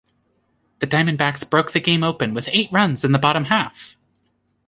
The Diamondbacks broke the game open with eight runs in the bottom half.